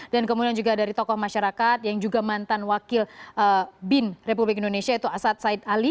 dan kemudian juga dari tokoh masyarakat yang juga mantan wakil bin republik indonesia yaitu asad said ali